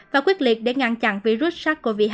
và quyết liệt để ngăn chặn virus sars cov hai